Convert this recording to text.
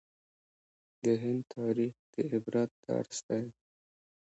د هند تاریخ د عبرت درس دی.